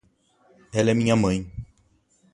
Ela é minha mãe.